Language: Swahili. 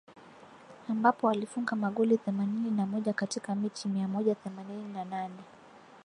Ambapo alifunga magoli themanini na moja katika mechi mia moja themanini na nane